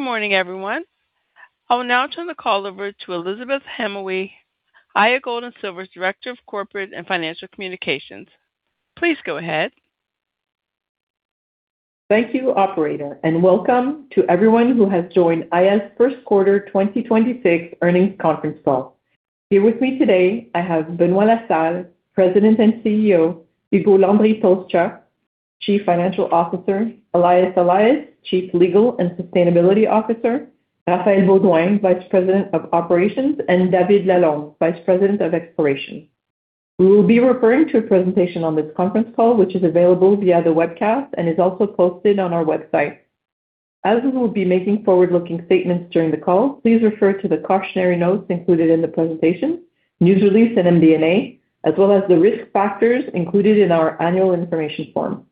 Good morning, everyone. I will now turn the call over to Elizabeth Hamaue, Aya Gold & Silver's Director of Corporate and Financial Communications. Please go ahead. Thank you, operator, and welcome to everyone who has joined Aya's first quarter 2026 earnings conference call. Here with me today, I have Benoit La Salle, President and CEO, Ugo Landry-Tolszczuk, Chief Financial Officer, Elias Elias, Chief Legal and Sustainability Officer, Raphaël Beaudoin, Vice President of Operations, and David Lalonde, Vice President of Exploration. We will be referring to a presentation on this conference call, which is available via the webcast and is also posted on our website. As we will be making forward-looking statements during the call, please refer to the cautionary notes included in the presentation, news release and MD&A, as well as the risk factors included in our annual information form.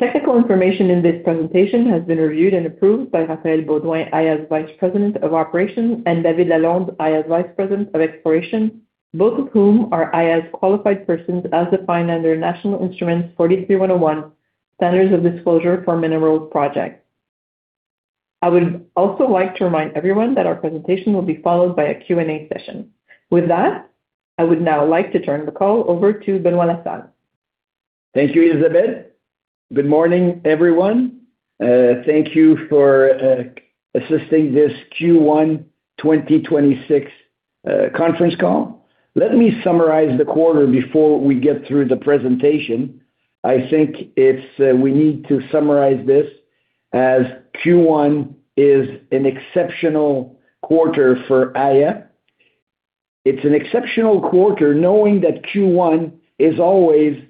Technical information in this presentation has been reviewed and approved by Raphaël Beaudoin, Aya's Vice President of Operations, and David Lalonde, Aya's Vice President of Exploration, both of whom are Aya's qualified persons as defined under National Instrument 43-101, Standards of Disclosure for Mineral Projects. I would also like to remind everyone that our presentation will be followed by a Q&A session. With that, I would now like to turn the call over to Benoit La Salle. Thank you, Elizabeth. Good morning, everyone. Thank you for assisting this Q1 2026 conference call. Let me summarize the quarter before we get through the presentation. I think it's, we need to summarize this as Q1 is an exceptional quarter for Aya. It's an exceptional quarter knowing that Q1 is always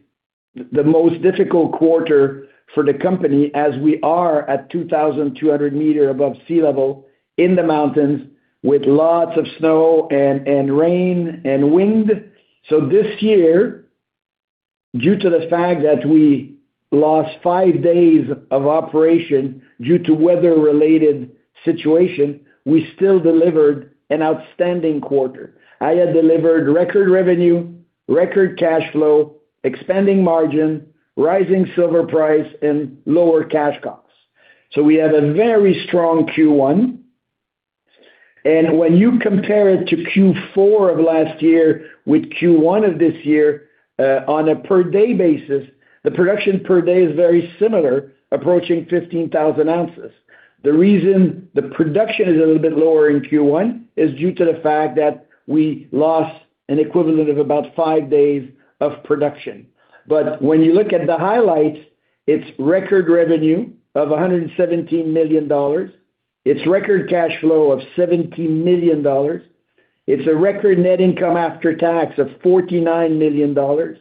the most difficult quarter for the company as we are at 2,200 m above sea level in the mountains with lots of snow and rain and wind. This year, due to the fact that we lost five days of operation due to weather-related situation, we still delivered an outstanding quarter. Aya delivered record revenue, record cash flow, expanding margin, rising silver price, and lower cash costs. We have a very strong Q1. When you compare it to Q4 of last year with Q1 of this year, on a per day basis, the production per day is very similar, approaching 15,000 oz. The reason the production is a little bit lower in Q1 is due to the fact that we lost an equivalent of about five days of production. When you look at the highlights, it's record revenue of 117 million dollars. It's record cash flow of 70 million dollars. It's a record net income after tax of 49 million dollars.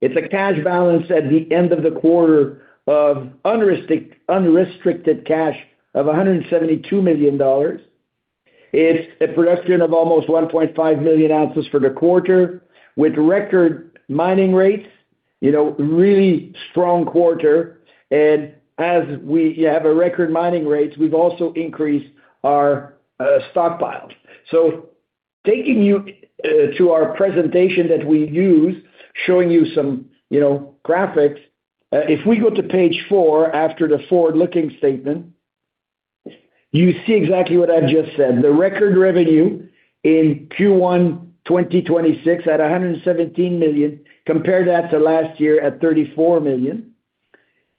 It's a cash balance at the end of the quarter of unrestricted cash of 172 million dollars. It's a production of almost 1.5 million oz for the quarter with record mining rates, you know, really strong quarter. As we have a record mining rates, we've also increased our stockpiles. Taking you to our presentation that we use, showing you some, you know, graphics. If we go to page four, after the forward-looking statement, you see exactly what I've just said. The record revenue in Q1 2026 at 117 million, compare that to last year at 34 million.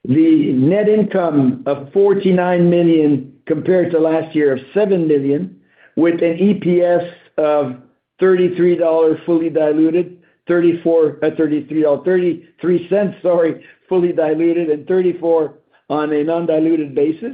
The net income of 49 million compared to last year of 7 million, with an EPS of 0.33 fully diluted and 0.34 on a non-diluted basis.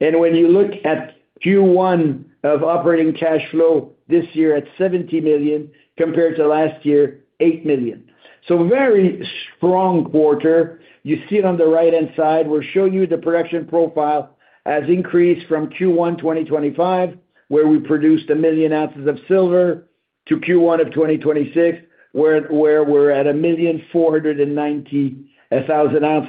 When you look at Q1 of operating cash flow this year at 70 million compared to last year, 8 million. Very strong quarter. You see it on the right-hand side. We're showing you the production profile has increased from Q1 2025, where we produced 1 million oz of silver, to Q1 of 2026, where we're at 1,490,000 oz.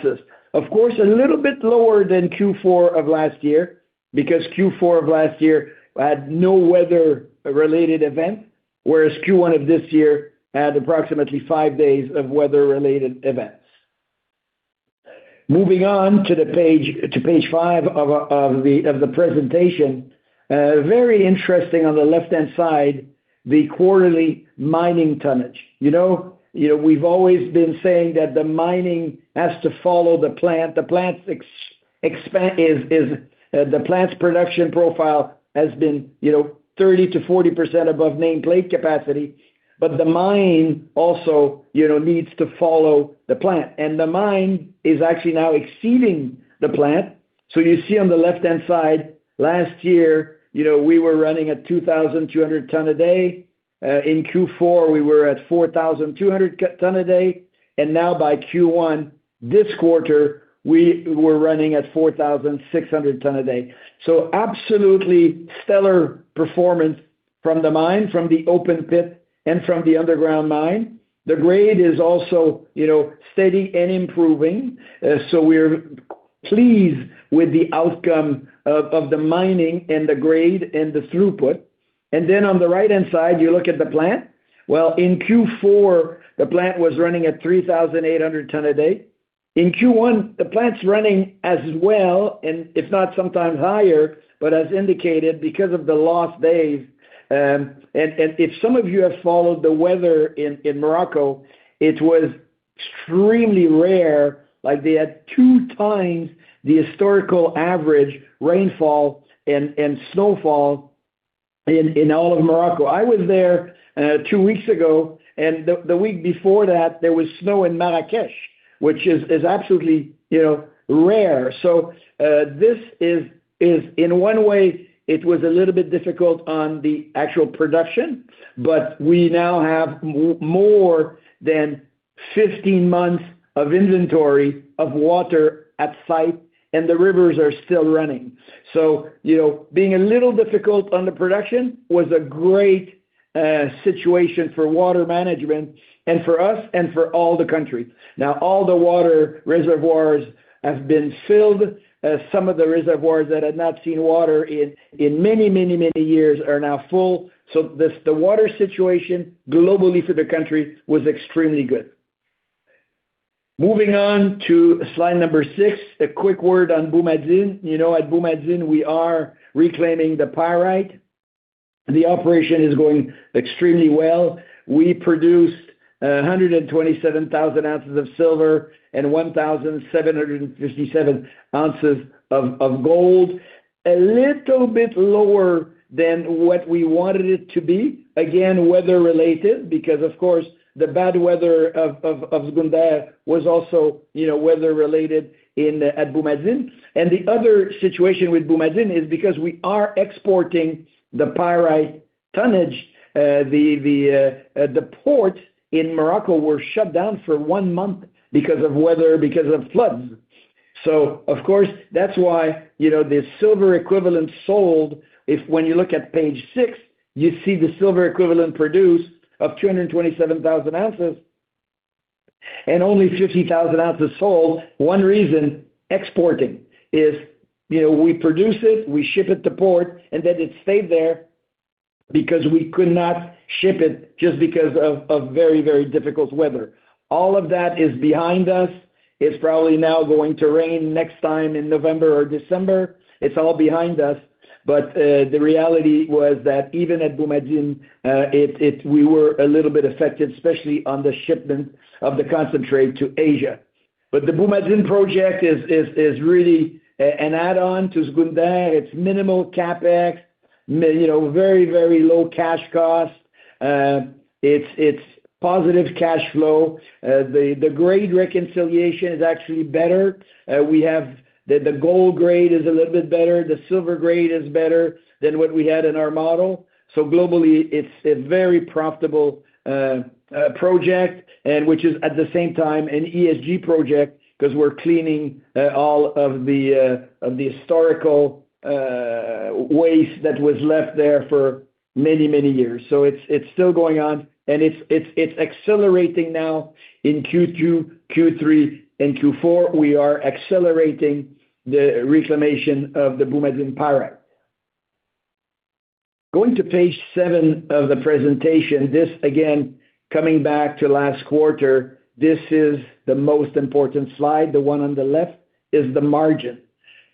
Of course, a little bit lower than Q4 of last year because Q4 of last year had no weather-related event, whereas Q1 of this year had approximately five days of weather-related events. Moving on to page five of the presentation. Very interesting on the left-hand side, the quarterly mining tonnage. You know, we've always been saying that the mining has to follow the plant. The plant's production profile has been, you know, 30%-40% above nameplate capacity, the mine also, you know, needs to follow the plant. The mine is actually now exceeding the plant. You see on the left-hand side, last year, you know, we were running at 2,200 tons a day. In Q4, we were at 4,200 tons a day. Now by Q1 this quarter, we were running at 4,600 tons a day. Absolutely stellar performance from the mine, from the open pit, and from the underground mine. The grade is also, you know, steady and improving. We're pleased with the outcome of the mining and the grade and the throughput. On the right-hand side, you look at the plant. Well, in Q4, the plant was running at 3,800 tons a day. In Q1, the plant's running as well, and if not sometimes higher, but as indicated, because of the lost days. If some of you have followed the weather in Morocco, it was extremely rare, like they had 2x the historical average rainfall and snowfall in all of Morocco. I was there two weeks ago, and the week before that, there was snow in Marrakech, which is absolutely, you know, rare. This is in one way, it was a little bit difficult on the actual production, but we now have more than 15 months of inventory of water at site, and the rivers are still running. You know, being a little difficult on the production was a great situation for water management and for us and for all the country. Now, all the water reservoirs have been filled. Some of the reservoirs that had not seen water in many years are now full. The water situation globally for the country was extremely good. Moving on to slide number six, a quick word on Boumadine. You know, at Boumadine, we are reclaiming the pyrite. The operation is going extremely well. We produced 127,000 oz of silver and 1,757 oz of gold. A little bit lower than what we wanted it to be. Again, weather related, because of course, the bad weather of Zgounder was also, you know, weather related in, at Boumadine. The other situation with Boumadine is because we are exporting the pyrite tonnage, the port in Morocco were shut down for one month because of weather, because of floods. Of course, that's why, you know, the silver equivalent sold, if when you look at page six, you see the silver equivalent produced of 227,000 oz and only 50,000 oz sold. One reason, exporting. If, you know, we produce it, we ship it to port, and then it stayed there because we could not ship it just because of very difficult weather. All of that is behind us. It's probably now going to rain next time in November or December. It's all behind us. The reality was that even at Boumadine, we were a little bit affected, especially on the shipment of the concentrate to Asia. The Boumadine project is really an add-on to Zgounder. It's minimal CapEx, you know, very low cash cost. It's positive cash flow. The grade reconciliation is actually better. We have the gold grade is a little bit better. The silver grade is better than what we had in our model. Globally, it's a very profitable project and which is at the same time an ESG project because we're cleaning all of the historical waste that was left there for many years. It's still going on, and it's accelerating now in Q2, Q3, and Q4. We are accelerating the reclamation of the Boumadine pyrite. Going to page seven of the presentation. This, again, coming back to last quarter, this is the most important slide. The one on the left is the margin.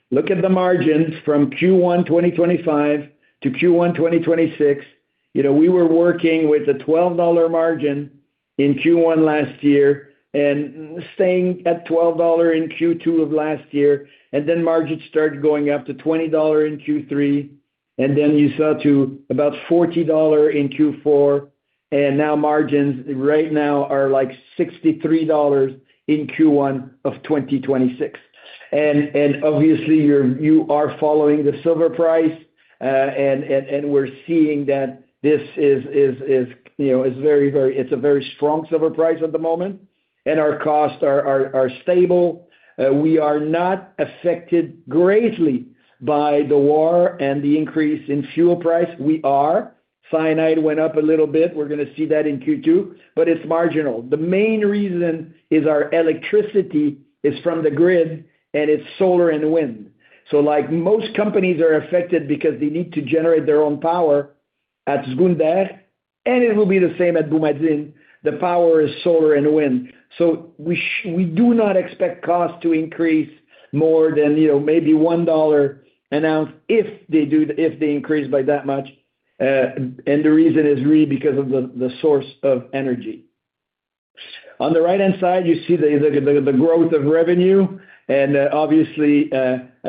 Look at the margins from Q1 2025 to Q1 2026. You know, we were working with a 12 dollar margin in Q1 last year and staying at 12 dollar in Q2 of last year. Margins started going up to 20 dollar in Q3, you saw to about 40 dollar in Q4. Margins right now are like 63 dollars in Q1 of 2026. And obviously, you are following the silver price. And we're seeing that this is, you know, is very strong silver price at the moment. Our costs are stable. We are not affected greatly by the war and the increase in fuel price. We are. Cyanide went up a little bit. We're gonna see that in Q2, but it's marginal. The main reason is our electricity is from the grid, and it's solar and wind. Like most companies are affected because they need to generate their own power at Zgounder, and it will be the same at Boumadine. The power is solar and wind. We do not expect costs to increase more than, you know, maybe 1 dollar/oz if they increase by that much. The reason is really because of the source of energy. On the right-hand side, you see the growth of revenue. As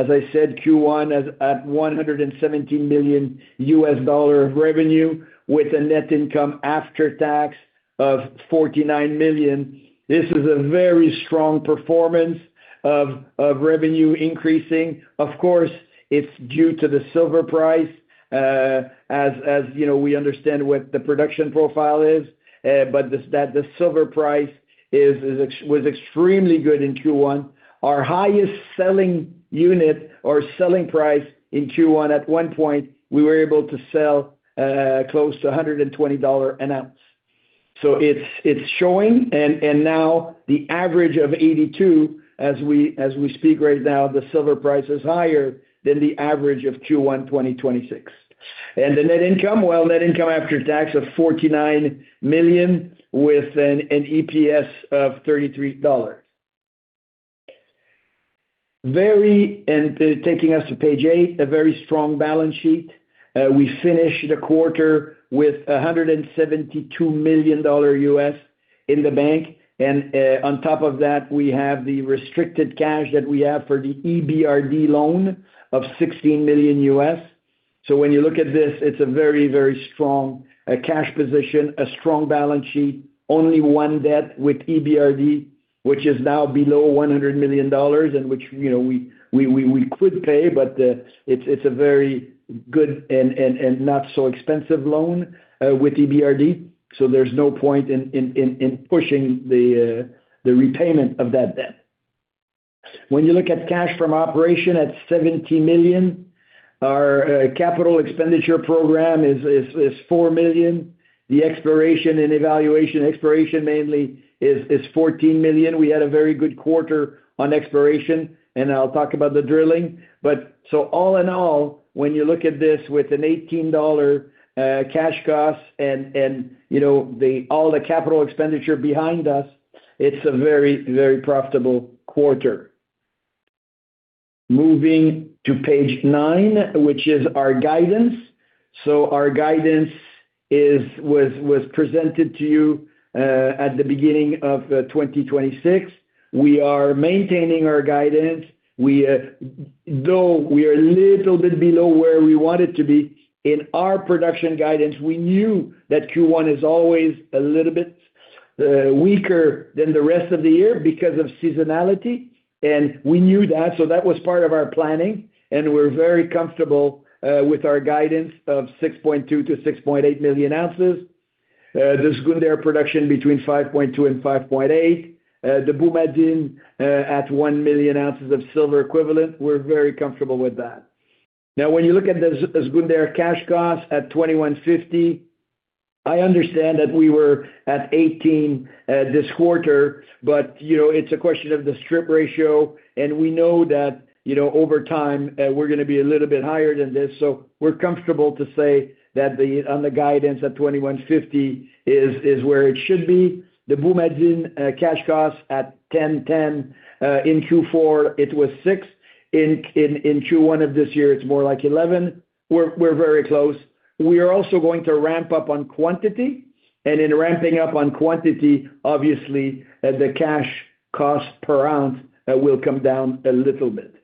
I said, Q1 at $117 million of revenue with a net income after tax of $49 million. This is a very strong performance of revenue increasing. Of course, it's due to the silver price, you know, we understand what the production profile is. The silver price was extremely good in Q1. Our highest selling unit or selling price in Q1, at one point, we were able to sell close to $120/oz. It's showing now the average of $82 as we speak right now, the silver price is higher than the average of Q1, 2026. The net income, net income after tax of $49 million with an EPS of $33. Very, taking us to page eight, a very strong balance sheet. We finished the quarter with $172 million. in the bank. On top of that, we have the restricted cash that we have for the EBRD loan of $16 million. When you look at this, it's a very, very strong cash position, a strong balance sheet, only one debt with EBRD, which is now below 100 million dollars, and which, you know, we could pay, it's a very good and not so expensive loan with EBRD. There's no point in pushing the repayment of that debt. When you look at cash from operation at 70 million, our capital expenditure program is 4 million. The exploration and evaluation, exploration mainly, is 14 million. We had a very good quarter on exploration, and I'll talk about the drilling. All in all, when you look at this with a 18 dollar cash cost and, you know, all the CapEx behind us, it's a very, very profitable quarter. Moving to page nine, which is our guidance. Our guidance was presented to you at the beginning of 2026. We are maintaining our guidance. We, though we are a little bit below where we wanted to be. In our production guidance, we knew that Q1 is always a little bit weaker than the rest of the year because of seasonality. We knew that, so that was part of our planning, and we're very comfortable with our guidance of 6.2 million oz-6.8 million oz. The Zgounder production between 5.2 million and 5.8 million. The Boumadine at 1 million oz of silver equivalent. We're very comfortable with that. When you look at the Zgounder cash costs at 21.50, I understand that we were at 18 this quarter, you know, it's a question of the strip ratio. We know that, you know, over time, we're gonna be a little bit higher than this. We're comfortable to say that on the guidance at 21.50 is where it should be. The Boumadine cash costs at 10.10. In Q4, it was 6. In Q1 of this year, it's more like 11. We're very close. We are also going to ramp up on quantity. In ramping up on quantity, obviously, the cash cost per ounce will come down a little bit.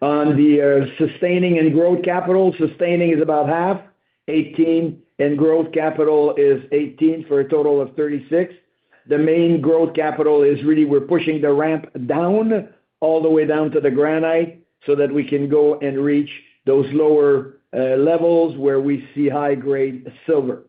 On the sustaining and growth capital, sustaining is about half, 18, and growth capital is 18 for a total of 36. The main growth capital is really we're pushing the ramp down, all the way down to the granite, so that we can go and reach those lower levels where we see high-grade silver.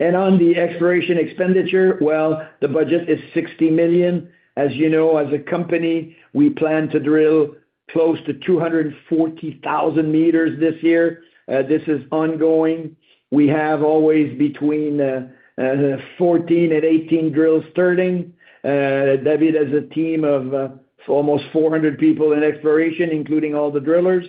On the exploration expenditure, well, the budget is 60 million. As you know, as a company, we plan to drill close to 240,000 m this year. This is ongoing. We have always between 14 and 18 drills turning. David has a team of almost 400 people in exploration, including all the drillers.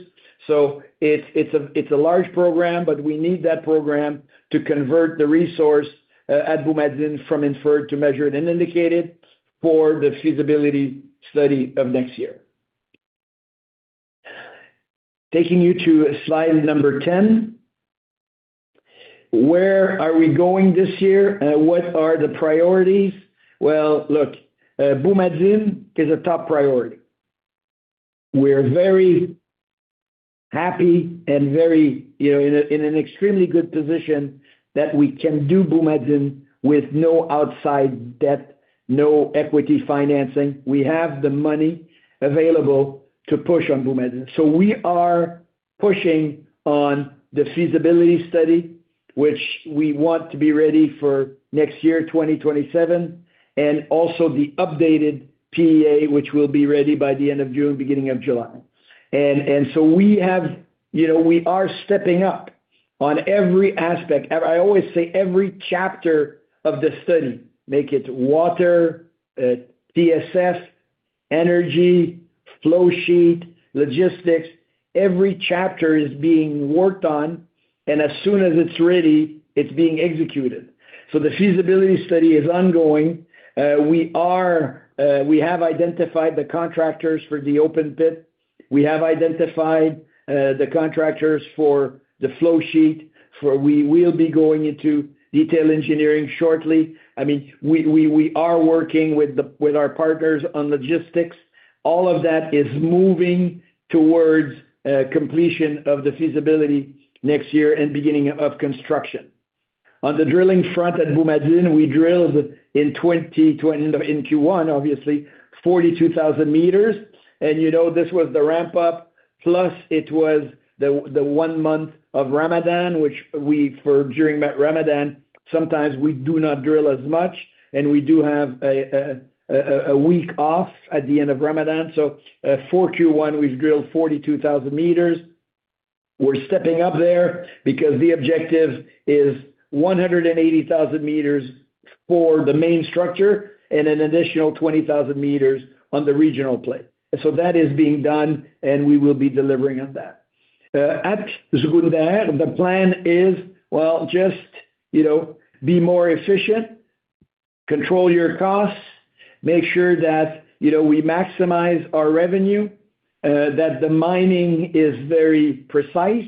It's a large program, but we need that program to convert the resource at Boumadine from inferred to measured and indicated for the feasibility study of next year. Taking you to slide number 10. Where are we going this year? What are the priorities? Well, look, Boumadine is a top priority. We're very happy and very, you know, in an extremely good position that we can do Boumadine with no outside debt, no equity financing. We have the money available to push on Boumadine. We are pushing on the feasibility study, which we want to be ready for next year, 2027, and also the updated PEA, which will be ready by the end of June, beginning of July. We have, you know, we are stepping up on every aspect. I always say every chapter of the study, make it water, DSS, energy, flow sheet, logistics, every chapter is being worked on, and as soon as it's ready, it's being executed. The feasibility study is ongoing. We have identified the contractors for the open pit. We have identified the contractors for the flow sheet, we will be going into detail engineering shortly. I mean, we are working with our partners on logistics. All of that is moving towards completion of the feasibility next year and beginning of construction. On the drilling front at Boumadine, we drilled in Q1, obviously, 42,000 m. You know, this was the ramp up, plus it was the one month of Ramadan, which we during Ramadan, sometimes we do not drill as much, and we do have a week off at the end of Ramadan. For Q1, we've drilled 42,000 m. We're stepping up there because the objective is 180,000 m for the main structure and an additional 20,000 m on the regional play. That is being done, and we will be delivering on that. At Zgounder, the plan is, you know, be more efficient, control your costs, make sure that, you know, we maximize our revenue, that the mining is very precise,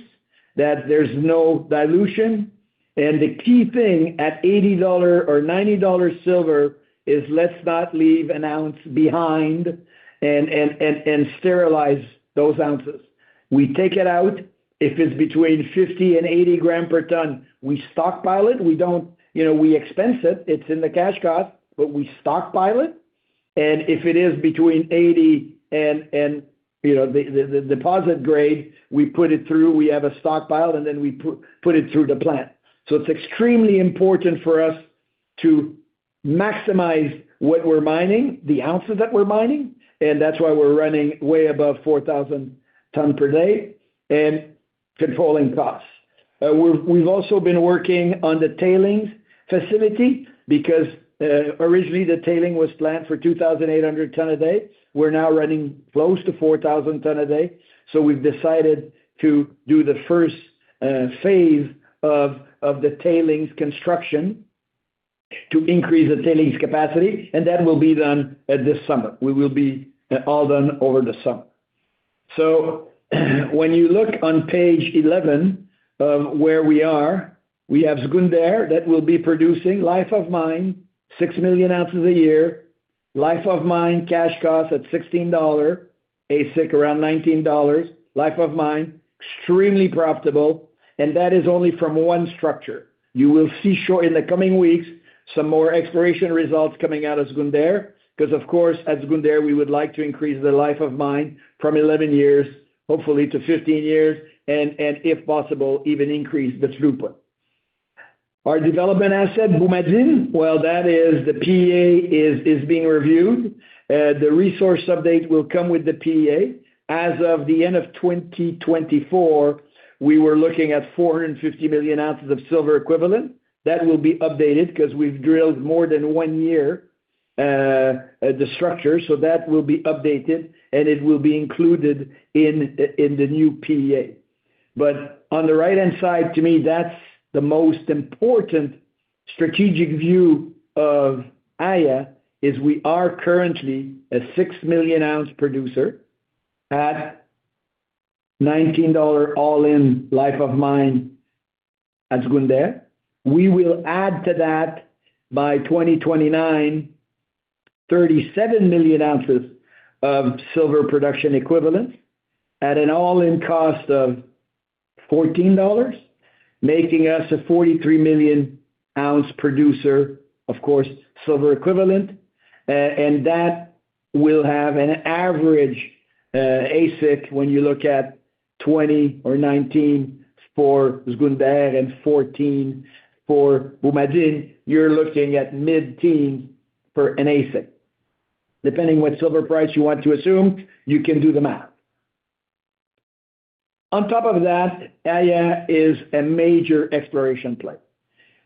that there's no dilution. The key thing at $80 or $90 silver is let's not leave an ounce behind and sterilize those ounces. We take it out. If it's between 50 g and 80 g per ton, we stockpile it. We expense it. It's in the cash cost, but we stockpile it. If it is between 80 and the deposit grade, we put it through. We have a stockpile, and then we put it through the plant. It's extremely important for us to maximize what we're mining, the ounces that we're mining, and that's why we're running way above 4,000 tons per day and controlling costs. We've also been working on the tailings facility because, originally, the tailings was planned for 2,800 tons a day. We're now running close to 4,000 ton a day. We've decided to do the first phase of the tailings construction to increase the tailings capacity, and that will be done this summer. We will be all done over the summer. When you look on page 11 of where we are, we have Zgounder that will be producing life of mine, 6 million oz a year, life of mine cash cost at 16 dollar, AISC around 19 dollars, life of mine, extremely profitable, and that is only from one structure. You will see sure in the coming weeks some more exploration results coming out of Zgounder because, of course, at Zgounder, we would like to increase the life of mine from 11 years, hopefully, to 15 years and if possible, even increase the throughput. Our development asset, Boumadine, that is the PEA is being reviewed. The resource update will come with the PEA. As of the end of 2024, we were looking at 450 million oz of silver equivalent. That will be updated because we've drilled more than one year the structure. That will be updated, and it will be included in the new PEA. On the right-hand side, to me, that's the most important strategic view of Aya, is we are currently a 6 million oz producer at 19 dollar all-in life of mine at Zgounder. We will add to that by 2029, 37 million oz of silver production equivalent at an all-in cost of 14 dollars, making us a 43 million oz producer, of course, silver equivalent. That will have an average AISC when you look at 20 or 19 for Zgounder and 14 for Boumadine. You're looking at mid-teen for an AISC. Depending what silver price you want to assume, you can do the math. On top of that, Aya is a major exploration play.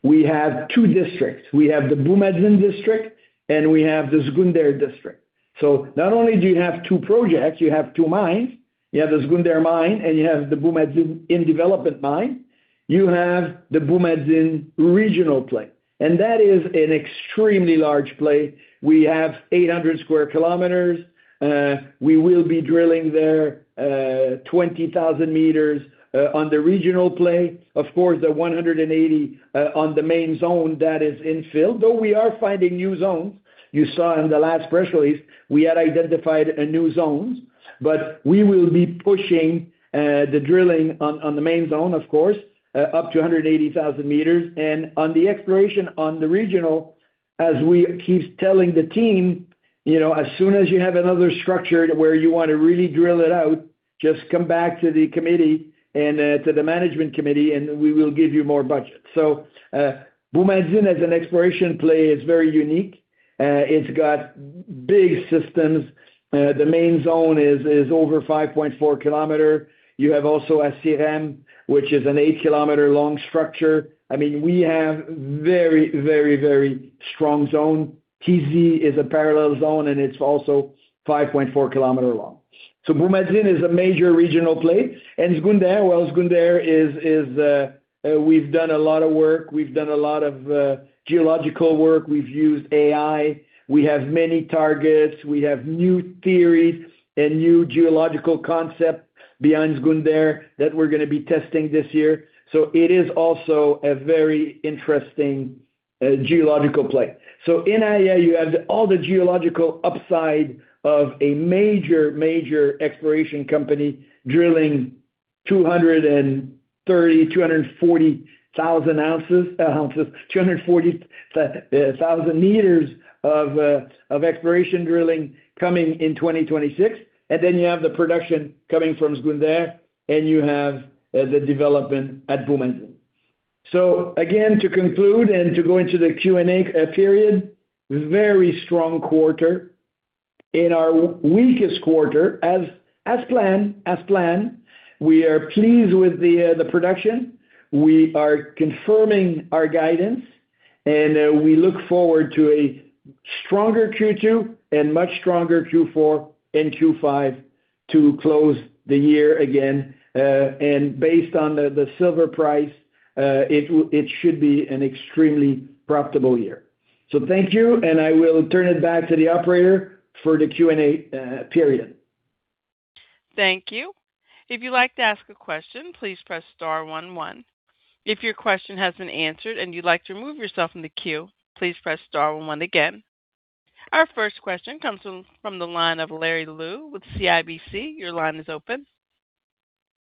We have two districts. We have the Boumadine district, and we have the Zgounder district. Not only do you have two projects, you have two mines. You have the Zgounder mine, and you have the Boumadine in development mine. You have the Boumadine regional play, and that is an extremely large play. We have 800 sq km. We will be drilling there, 20,000 m on the regional play. Of course, the 180 on the main zone that is infilled, though we are finding new zones. You saw in the last press release we had identified new zones. We will be pushing the drilling on the main zone, of course, up to 180,000 m. On the exploration on the regional, as we keep telling the team, you know, as soon as you have another structure to where you want to really drill it out, just come back to the committee and to the management committee, we will give you more budget. Boumadine as an exploration play is very unique. It's got big systems. The main zone is over 5.4 km. You have also Assirem, which is an 8 km-long structure. I mean, we have very strong zone. Tizi is a parallel zone, it's also 5.4 km long. Boumadine is a major regional play. Zgounder, well, Zgounder is, we've done a lot of work. We've done a lot of geological work. We've used AI. We have many targets. We have new theories and new geological concept behind Zgounder that we're going to be testing this year. It is also a very interesting geological play. In Aya, you have all the geological upside of a major exploration company drilling 230,000-240,000 m of exploration drilling coming in 2026. Then you have the production coming from Zgounder, and you have the development at Boumadine. Again, to conclude and to go into the Q&A period, very strong quarter. In our weakest quarter as planned, we are pleased with the production. We are confirming our guidance, we look forward to a stronger Q2 and much stronger Q4 and Q5 to close the year again. Based on the silver price, it should be an extremely profitable year. Thank you, I will turn it back to the operator for the Q&A period. Thank you. If you'd like to ask a question, please press star one one. If your question has been answered and you'd like to remove yourself from the queue, please press star one one again. Our first question comes from the line of Larry Liu with CIBC. Your line is open.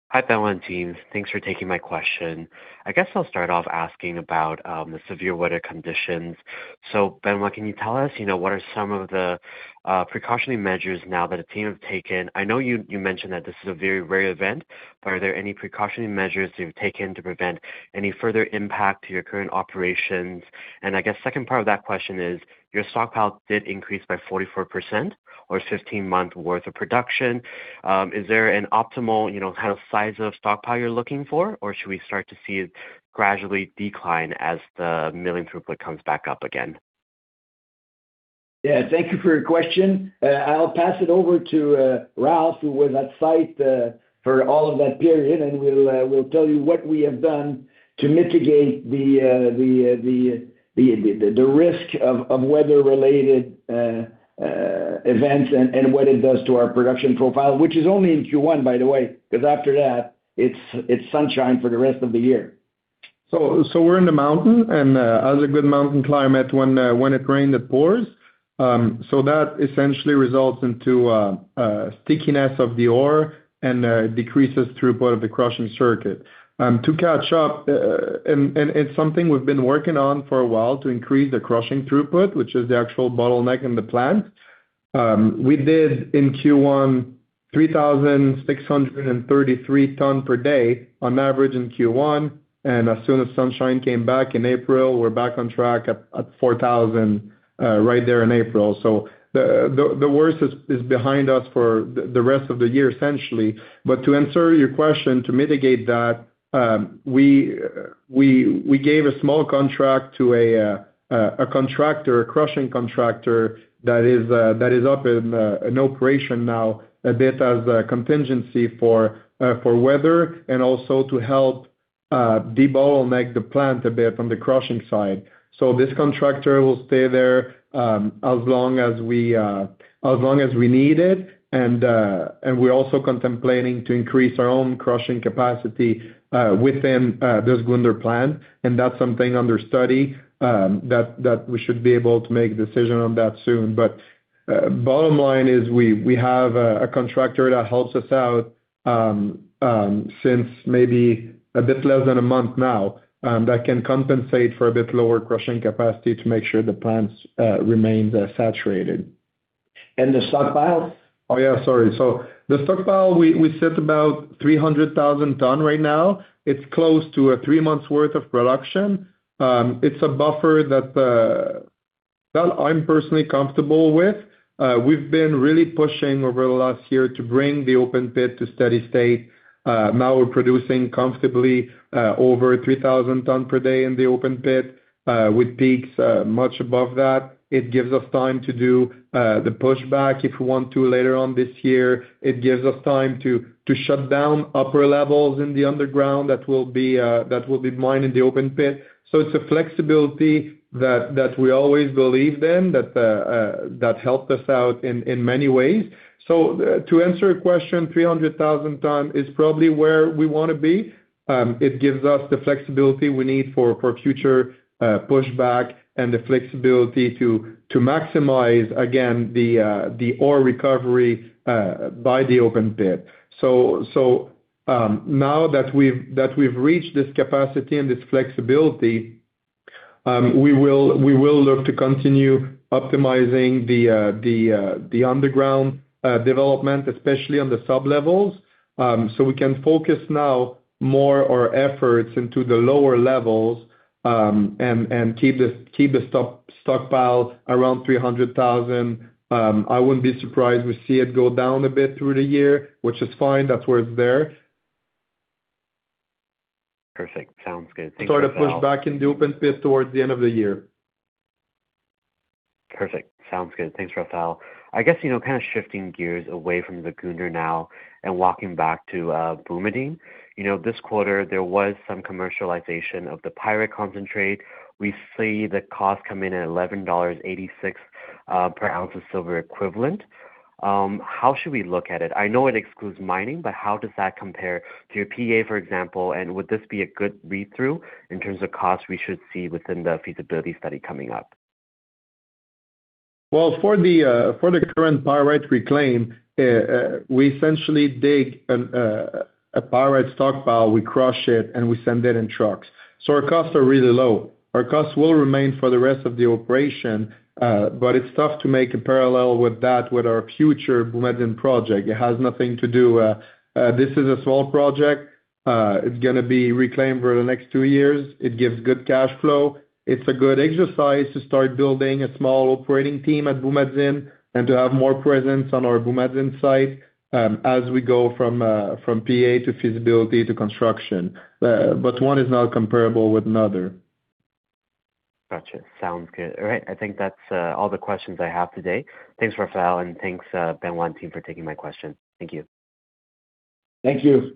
Hi, Valentin. Thanks for taking my question. I guess I'll start off asking about the severe weather conditions. Benoit, can you tell us, you know, what are some of the precautionary measures now that the team have taken? I know you mentioned that this is a very rare event, but are there any precautionary measures you've taken to prevent any further impact to your current operations? I guess second part of that question is, your stockpile did increase by 44% or 15 months worth of production. Is there an optimal, you know, kind of size of stockpile you're looking for or should we start to see it gradually decline as the milling throughput comes back up again? Yeah, thank you for your question. I'll pass it over to Raph, who was at site for all of that period, and will tell you what we have done to mitigate the risk of weather-related events and what it does to our production profile, which is only in Q1, by the way, because after that, it's sunshine for the rest of the year. We're in the mountain, and as a good mountain climate, when it rains, it pours. That essentially results into stickiness of the ore and decreases throughput of the crushing circuit. To catch up, it's something we've been working on for a while to increase the crushing throughput, which is the actual bottleneck in the plant. We did in Q1 3,633 ton per day on average in Q1. As soon as sunshine came back in April, we're back on track at 4,000 right there in April. The worst is behind us for the rest of the year, essentially. To answer your question, to mitigate that, we gave a small contract to a contractor, a crushing contractor that is up in operation now a bit as a contingency for weather and also to help debottleneck the plant a bit from the crushing side. This contractor will stay there as long as we need it. We're also contemplating to increase our own crushing capacity within this Zgounder plant, and that's something under study that we should be able to make a decision on that soon. Bottom line is we have a contractor that helps us out since maybe a bit less than a month now that can compensate for a bit lower crushing capacity to make sure the plants remain saturated. The stockpile? Yeah, sorry. The stockpile, we sit about 300,000 ton right now. It's close to a three months worth of production. It's a buffer that I'm personally comfortable with. We've been really pushing over the last year to bring the open pit to steady state. Now we're producing comfortably over 3,000 ton per day in the open pit, with peaks much above that. It gives us time to do the pushback if we want to later on this year. It gives us time to shut down upper levels in the underground that will be that will be mined in the open pit. It's a flexibility that we always believed in that helped us out in many ways. To answer your question, 300,000 tons is probably where we wanna be. It gives us the flexibility we need for future pushback and the flexibility to maximize, again, the ore recovery by the open pit. Now that we've reached this capacity and this flexibility, we will look to continue optimizing the underground development, especially on the sub-levels. We can focus now more our efforts into the lower levels and keep the stockpile around 300,000. I wouldn't be surprised we see it go down a bit through the year, which is fine. That's why it's there. Perfect. Sounds good. Thanks, Raphaël. Sort of push back in the open pit towards the end of the year. Perfect. Sounds good. Thanks, Raphaël. I guess, you know, kind of shifting gears away from Zgounder now and walking back to Boumadine. You know, this quarter, there was some commercialization of the pyrite concentrate. We see the cost come in at 11.86 dollars/oz of silver equivalent. How should we look at it? I know it excludes mining, but how does that compare to your PEA, for example, and would this be a good read-through in terms of cost we should see within the feasibility study coming up? For the current pyrite reclaim, we essentially dig a pyrite stockpile, we crush it, and we send it in trucks. Our costs are really low. Our costs will remain for the rest of the operation, it's tough to make a parallel with that with our future Boumadine project. It has nothing to do, this is a small project. It's gonna be reclaimed for the next two years. It gives good cash flow. It's a good exercise to start building a small operating team at Boumadine and to have more presence on our Boumadine site, as we go from PEA to feasibility to construction. One is not comparable with another. Got it. Sounds good. All right. I think that's all the questions I have today. Thanks, Raphaël, and thanks, Benoit team for taking my questions. Thank you. Thank you.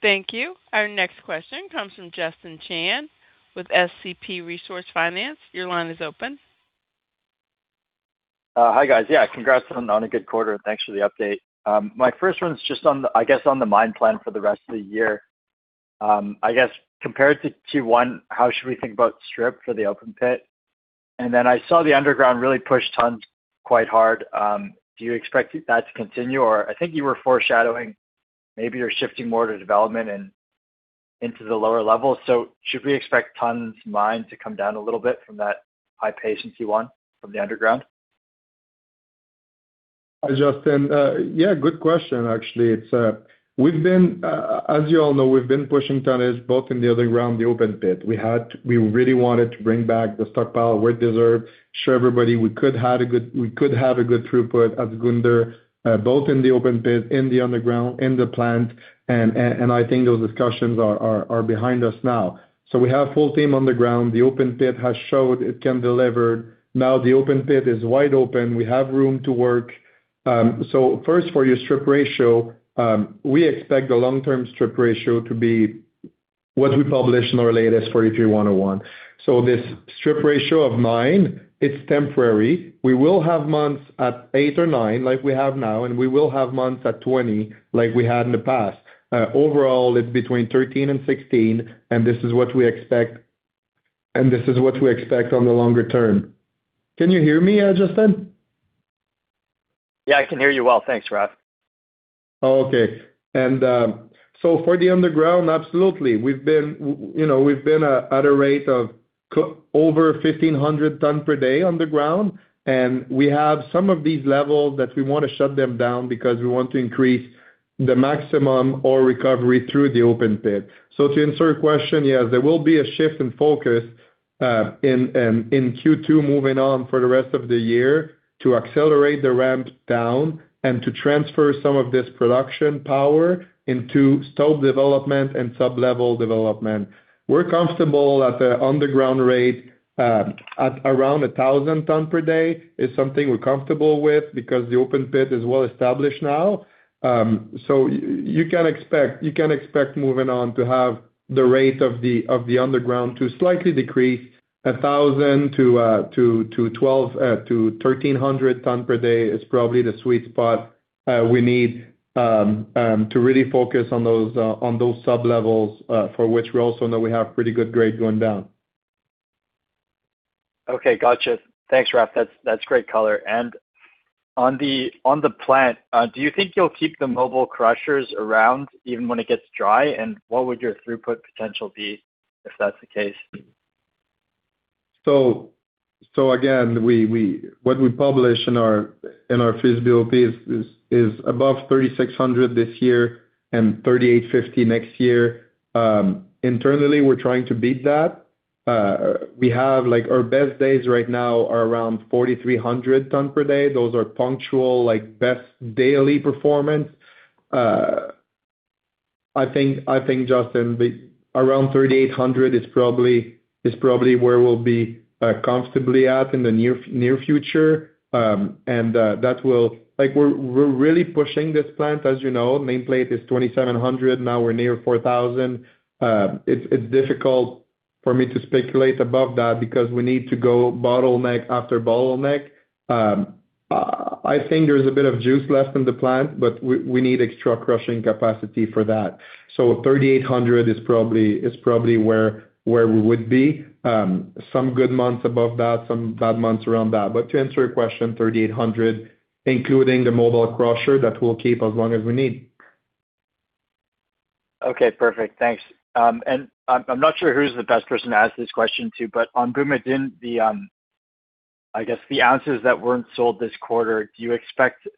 Thank you. Our next question comes from Justin Chan with SCP Resource Finance. Your line is open. Hi, guys. Congrats on a good quarter, and thanks for the update. My first one's just on the, I guess, on the mine plan for the rest of the year. I guess, compared to Q1, how should we think about strip for the open pit? I saw the underground really pushed tons quite hard. Do you expect that to continue? I think you were foreshadowing maybe you're shifting more to development and into the lower level. Should we expect tons mined to come down a little bit from that high pace in Q1 from the underground? Hi, Justin. Yeah, good question, actually. It's We've been, as you all know, we've been pushing tonnage both in the underground, the open pit. We really wanted to bring back the stockpile we deserve, show everybody we could have a good throughput at Zgounder, both in the open pit, in the underground, in the plant. I think those discussions are behind us now. We have full team on the ground. The open pit has showed it can deliver. The open pit is wide open. We have room to work. First for your strip ratio, we expect the long-term strip ratio to be what we published in our latest 43-101. This strip ratio of 9, it's temporary. We will have months at 8 or 9, like we have now, and we will have months at 20, like we had in the past. Overall, it's between 13 and 16, and this is what we expect on the longer term. Can you hear me, Justin? Yeah, I can hear you well. Thanks, Raph. Okay. For the underground, absolutely. We've been, you know, we've been at a rate of over 1,500 ton per day underground. We have some of these levels that we wanna shut them down because we want to increase the maximum ore recovery through the open pit. To answer your question, yes, there will be a shift in focus in Q2 moving on for the rest of the year to accelerate the ramp down and to transfer some of this production power into stope development and sub-level development. We're comfortable at the underground rate at around 1,000 ton per day is something we're comfortable with because the open pit is well-established now. You can expect moving on to have the rate of the underground to slightly decrease. 1,000 to 1,200 to 1,300 tons per day is probably the sweet spot. We need to really focus on those, on those sub-levels, for which we also know we have pretty good grade going down. Okay. Got it. Thanks, Raph. That's great color. On the plant, do you think you'll keep the mobile crushers around even when it gets dry? What would your throughput potential be if that's the case? Again, what we publish in our feasibility is above 3,600 this year and 3,850 next year. Internally, we're trying to beat that. We have like our best days right now are around 4,300 ton per day. Those are punctual, like best daily performance. I think, Justin, the around 3,800 is probably where we'll be comfortably at in the near future. We're really pushing this plant. As you know, nameplate is 2,700, now we're near 4,000. It's difficult for me to speculate above that because we need to go bottleneck after bottleneck. I think there's a bit of juice left in the plant, but we need extra crushing capacity for that. 3,800 is probably where we would be. Some good months above that, some bad months around that. To answer your question, 3,800, including the mobile crusher that we'll keep as long as we need. Okay. Perfect. Thanks. I'm not sure who's the best person to ask this question to, but on Boumadine, I guess the ounces that weren't sold this quarter, do you expect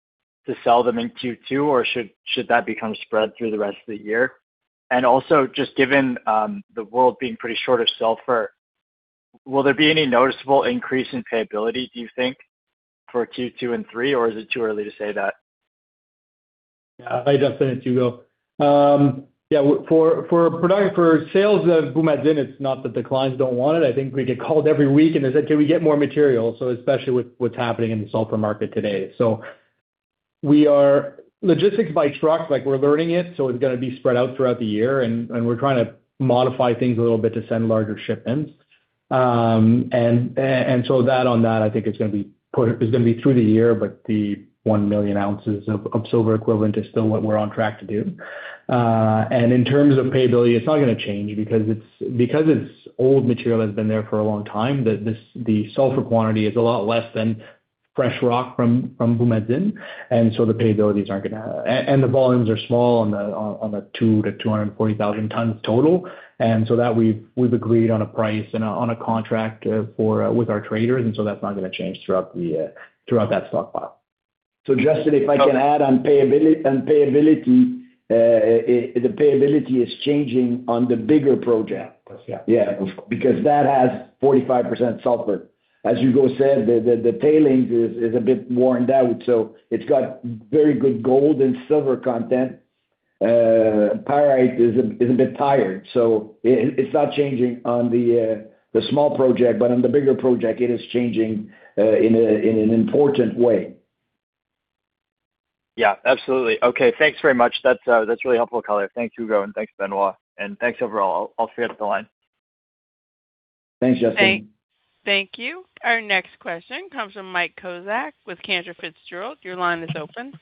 to sell them in Q2, or should that become spread through the rest of the year? Also just given the world being pretty short of sulfur, will there be any noticeable increase in payability, do you think, for Q2 and Q3, or is it too early to say that? Hi, Justin, it's Ugo. For production, for sales of Boumadine, it's not that the clients don't want it. I think we get called every week and they say, "Can we get more material?" Especially with what's happening in the sulfur market today. We are logistics by truck, like we're learning it, so it's going to be spread out throughout the year and we're trying to modify things a little bit to send larger shipments. So that on that, I think it's going to be put, it's going to be through the year, but the 1 million oz of silver equivalent is still what we're on track to do. In terms of payability, it's not gonna change because it's old material that's been there for a long time, the sulfur quantity is a lot less than fresh rock from Boumadine. The payabilities aren't gonna the volumes are small on the 200,000 to 240,000 tons total. That we've agreed on a price and on a contract for with our traders, and so that's not gonna change throughout the throughout that stockpile. Justin, if I can add on payability, the payability is changing on the bigger project. Yeah. Yeah. Because that has 45% sulfur. As Ugo said, the tailings is a bit worn down, so it's got very good gold and silver content. Pyrite is a bit tired, so it's not changing on the small project, but on the bigger project it is changing in an important way. Yeah, absolutely. Okay, thanks very much. That's, that's really helpful color. Thank you, Ugo, and thanks Benoit. Thanks overall. I'll stay off the line. Thanks, Justin. Thank you. Our next question comes from Mike Kozak with Cantor Fitzgerald. Your line is open.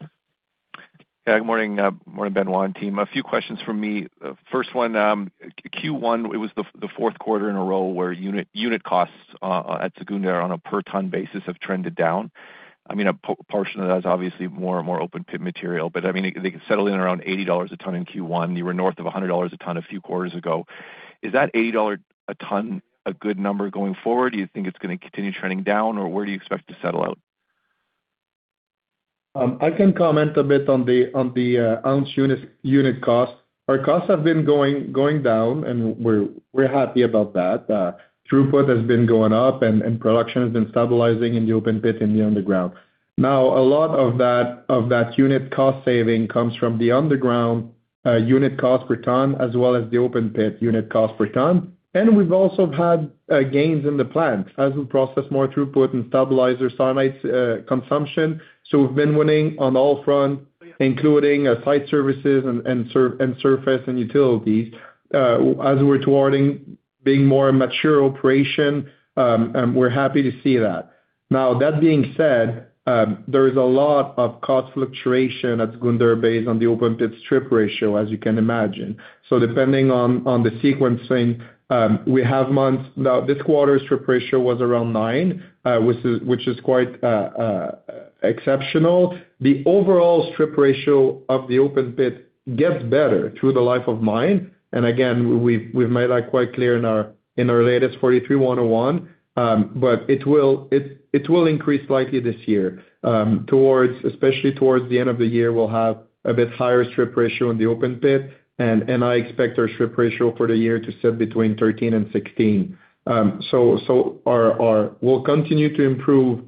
Good morning. Morning Benoit and team. A few questions from me. First one, Q1, it was the fourth quarter in a row where unit costs at Zgounder on a per ton basis have trended down. I mean, a portion of that is obviously more and more open pit material, but I mean, they can settle in around 80 dollars/ton in Q1. You were north of 10 dollars/ton a few quarters ago. Is that 80 dollars/ton a good number going forward? Do you think it's gonna continue trending down, or where do you expect to settle out? I can comment a bit on the ounce unit cost. Our costs have been going down, and we're happy about that. Throughput has been going up and production has been stabilizing in the open pit and the underground. A lot of that unit cost saving comes from the underground unit cost per ton as well as the open pit unit cost per ton. We've also had gains in the plant as we process more throughput and stabilize their cyanide consumption. We've been winning on all fronts, including site services and surface and utilities. As we're towarding being more a mature operation, and we're happy to see that. That being said, there is a lot of cost fluctuation at Zgounder based on the open pit strip ratio, as you can imagine. Depending on the sequencing, we have months. Now, this quarter strip ratio was around 9, which is quite exceptional. The overall strip ratio of the open pit gets better through the life of mine. Again, we've made that quite clear in our latest 43-101. It will increase slightly this year. Especially towards the end of the year, we'll have a bit higher strip ratio in the open pit, and I expect our strip ratio for the year to sit between 13 and 16. We'll continue to improve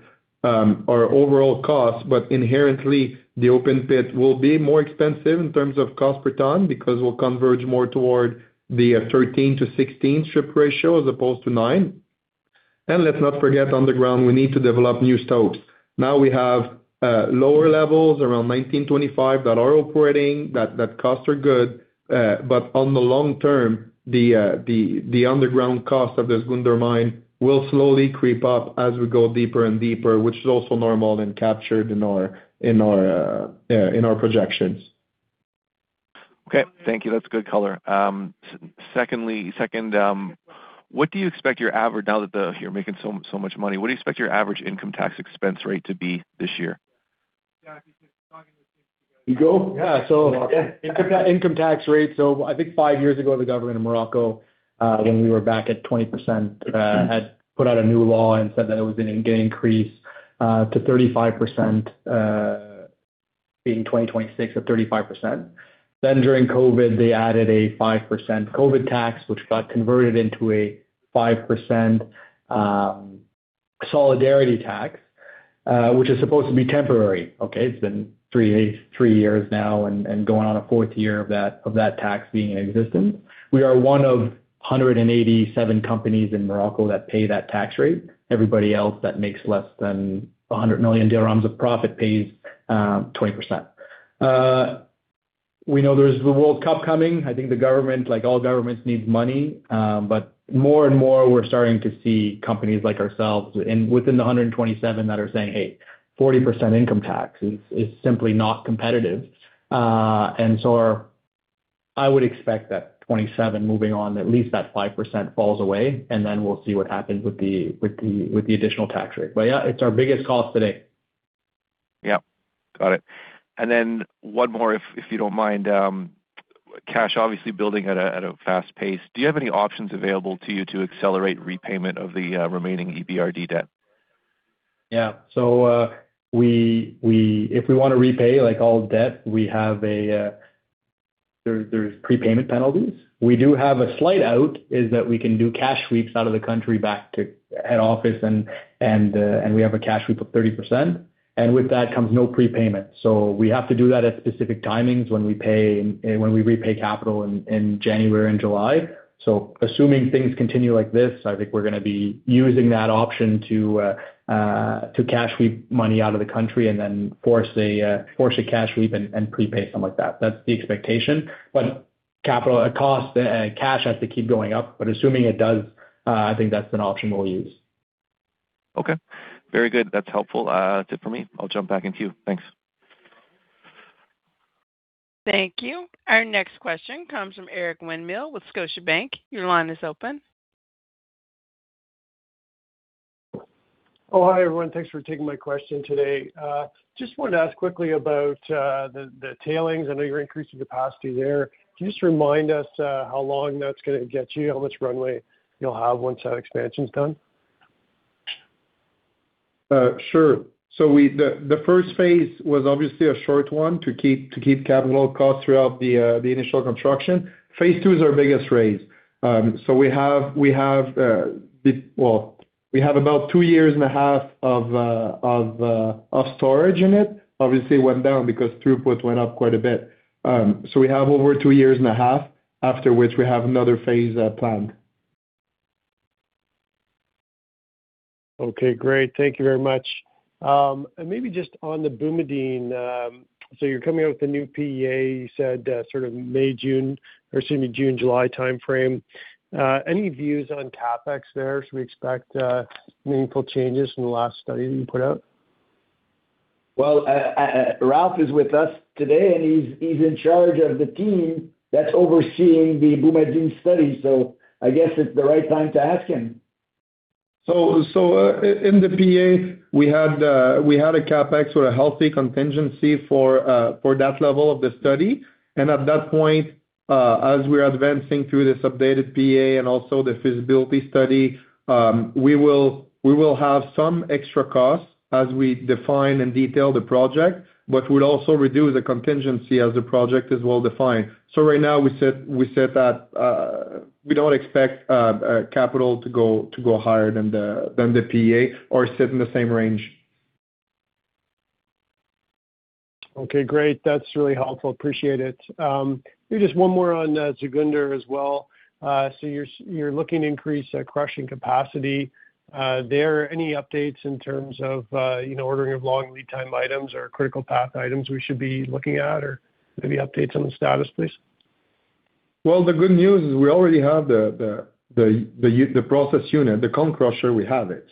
our overall cost. Inherently, the open pit will be more expensive in terms of cost per ton because we'll converge more toward the 13 to 16 strip ratio as opposed to 9. Let's not forget underground, we need to develop new stopes. Now we have lower levels around 1925 that are operating, that costs are good. On the long term, the underground cost of the Zgounder mine will slowly creep up as we go deeper and deeper, which is also normal and captured in our projections. Okay. Thank you. That's good color. Second, now that you're making so much money, what do you expect your average income tax expense rate to be this year? Ugo? Income tax rate. I think five years ago, the government of Morocco, when we were back at 20%, had put out a new law and said that it was going to get increased to 35%, being 2026 at 35%. During COVID, they added a 5% COVID tax, which got converted into a 5% solidarity tax, which is supposed to be temporary, okay. It's been three years now and going on a fourth year of that tax being in existence. We are one of 187 companies in Morocco that pay that tax rate. Everybody else that makes less than MAD 100 million of profit pays 20%. We know there's the World Cup coming. I think the government, like all governments, needs money. More and more, we're starting to see companies like ourselves within the 127 that are saying, "Hey, 40% income tax is simply not competitive." I would expect that 27 moving on, at least that 5% falls away, and then we'll see what happens with the additional tax rate. Yeah, it's our biggest cost today. Yeah. Got it. One more, if you don't mind. Cash obviously building at a fast pace. Do you have any options available to you to accelerate repayment of the remaining EBRD debt? Yeah. We, if we wanna repay, like, all debt, we have a, there's prepayment penalties. We do have a slight out, is that we can do cash sweeps out of the country back to head office and we have a cash sweep of 30%. With that comes no prepayment. We have to do that at specific timings when we pay and when we repay capital in January and July. Assuming things continue like this, I think we're gonna be using that option to cash sweep money out of the country and then force a cash sweep and prepay some like that. That's the expectation. Capital cost cash has to keep going up. Assuming it does, I think that's an option we'll use. Okay. Very good. That's helpful. That's it for me. I'll jump back in queue. Thanks. Thank you. Our next question comes from Eric Winmill with Scotiabank. Your line is open. Oh, hi everyone. Thanks for taking my question today. Just wanted to ask quickly about the tailings. I know you're increasing capacity there. Can you just remind us, how long that's gonna get you? How much runway you'll have once that expansion's done? Sure. We, the first phase was obviously a short one to keep capital costs throughout the initial construction. Phase II is our biggest raise. We have, well, we have about 2.5 years of storage in it. Obviously, it went down because throughput went up quite a bit. We have over 2.5 years, after which we have another phase planned. Okay, great. Thank you very much. Maybe just on the Boumadine, you're coming out with a new PEA, you said, sort of May, June or excuse me, June, July timeframe. Any views on CapEx there? Should we expect meaningful changes from the last study that you put out? Well, Raph is with us today, and he's in charge of the team that's overseeing the Boumadine study, so I guess it's the right time to ask him. In the PEA, we had a CapEx with a healthy contingency for that level of the study. At that point, as we're advancing through this updated PEA and also the feasibility study, we will have some extra costs as we define and detail the project, but we'll also reduce the contingency as the project is well-defined. Right now we said that we don't expect capital to go higher than the PEA or sit in the same range. Okay, great. That's really helpful. Appreciate it. maybe just one more on Zgounder as well. You're looking to increase crushing capacity. there any updates in terms of, you know, ordering of long lead time items or critical path items we should be looking at or maybe updates on the status, please? Well, the good news is we already have the process unit, the cone crusher, we have it.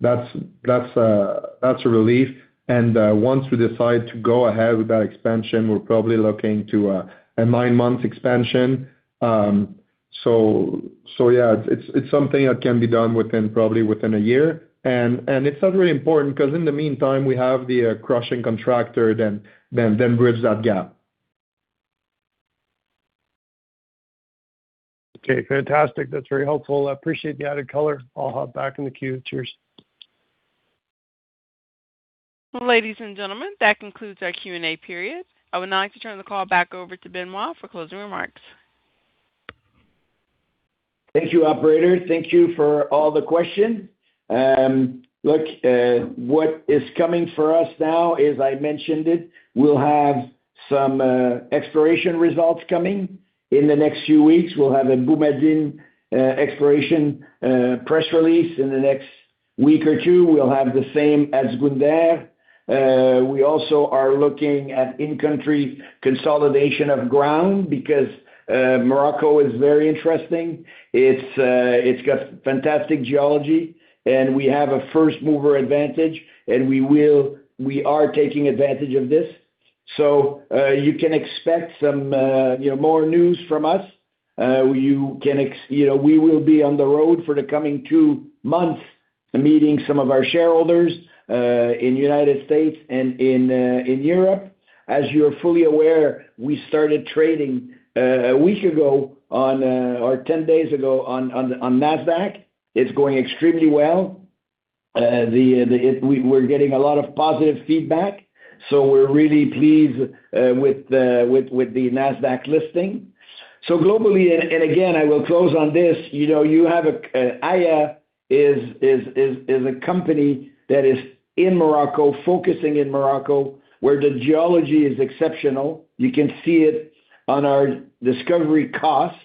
That's a relief. Once we decide to go ahead with that expansion, we're probably looking to a nine-month expansion. Yeah, it's something that can be done within, probably within a year. It's not really important 'cause in the meantime, we have the crushing contractor then bridge that gap. Okay, fantastic. That's very helpful. I appreciate the added color. I'll hop back in the queue. Cheers. Ladies and gentlemen, that concludes our Q&A period. I would now like to turn the call back over to Benoit for closing remarks. Thank you, operator. Thank you for all the question. What is coming for us now, as I mentioned it, we'll have some exploration results coming in the next few weeks. We'll have a Boumadine exploration press release in the next week or two. We'll have the same as Zgounder. We also are looking at in-country consolidation of ground because Morocco is very interesting. It's got fantastic geology, and we have a first-mover advantage, and we are taking advantage of this. You can expect some, you know, more news from us. You know, we will be on the road for the coming two months meeting some of our shareholders in United States and in Europe. As you're fully aware, we started trading one week ago on or 10 days ago on Nasdaq. It's going extremely well. We're getting a lot of positive feedback, so we're really pleased with the Nasdaq listing. Globally, and again, I will close on this, you know, Aya is a company that is in Morocco, focusing in Morocco, where the geology is exceptional. You can see it on our discovery cost.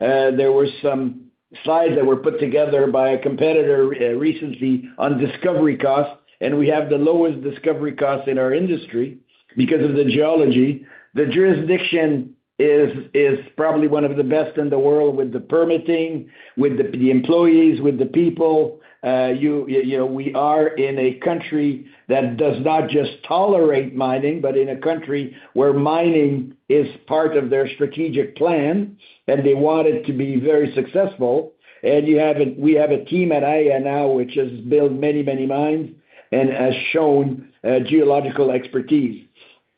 There were some slides that were put together by a competitor recently on discovery cost, we have the lowest discovery cost in our industry because of the geology. The jurisdiction is probably one of the best in the world with the permitting, with the employees, with the people. You know, we are in a country that does not just tolerate mining, but in a country where mining is part of their strategic plan, they want it to be very successful. You have a, we have a team at Aya now, which has built many, many mines and has shown geological expertise.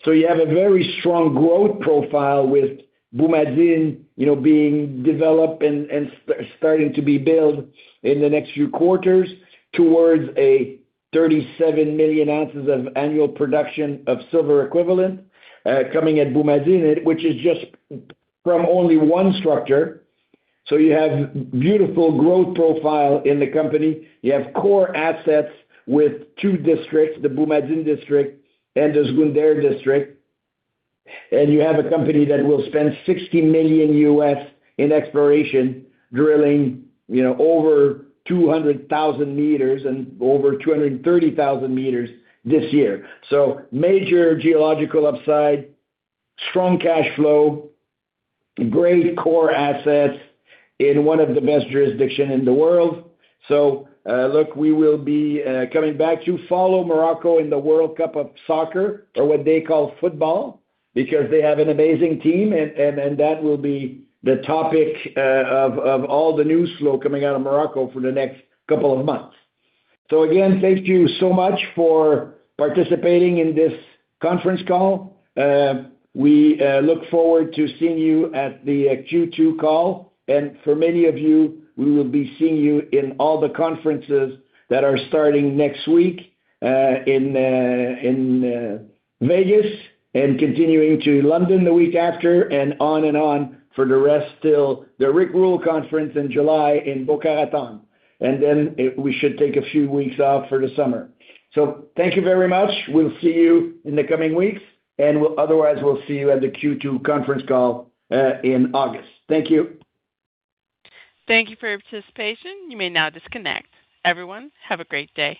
You have a very strong growth profile with Boumadine, you know, being developed and starting to be built in the next few quarters towards a 37 million oz of annual production of silver equivalent coming at Boumadine, which is just from only one structure. You have beautiful growth profile in the company. You have core assets with two districts, the Boumadine District and the Zgounder District. You have a company that will spend $60 million in exploration, drilling, you know, over 200,000 m and over 230,000 m this year. Major geological upside, strong cash flow, great core assets in one of the best jurisdiction in the world. Look, we will be coming back to follow Morocco in the World Cup of soccer or what they call football, because they have an amazing team and that will be the topic of all the news flow coming out of Morocco for the next couple of months. Again, thank you so much for participating in this conference call. We look forward to seeing you at the Q2 call. For many of you, we will be seeing you in all the conferences that are starting next week, in Vegas and continuing to London the week after and on and on for the rest till the Rick Rule conference in July in Boca Raton. We should take a few weeks off for the summer. Thank you very much. We'll see you in the coming weeks, otherwise, we'll see you at the Q2 conference call in August. Thank you. Thank you for your participation. You may now disconnect. Everyone, have a great day.